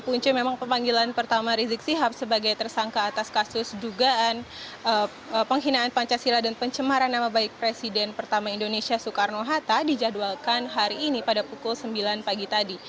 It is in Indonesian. punca memang pemanggilan pertama rizik sihab sebagai tersangka atas kasus dugaan penghinaan pancasila dan pencemaran nama baik presiden pertama indonesia soekarno hatta dijadwalkan hari ini pada pukul sembilan pagi tadi